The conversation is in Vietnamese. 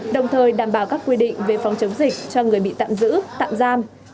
đồng thời đảm bảo các quy định về phòng chống dịch cho người bị tạm giữ tạm giam